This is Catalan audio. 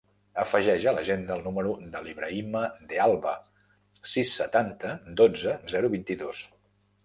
Afegeix a l'agenda el número de l'Ibrahima De Alba: sis, setanta, dotze, zero, vint-i-dos.